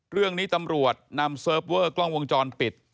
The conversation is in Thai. เรื่องนี้ตำรวจนำเซิร์ฟเวอร์กล้องวงจรปิด